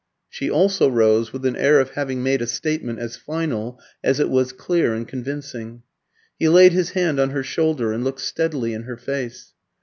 She also rose, with an air of having made a statement as final as it was clear and convincing. He laid his hand on her shoulder and looked steadily in her face.